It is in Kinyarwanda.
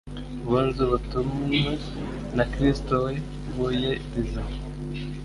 Bunze ubtunwe na Kristo, we buye rizima.